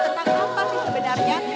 tentang apa sih sebenarnya